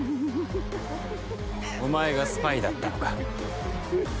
お前がスパイだったのか。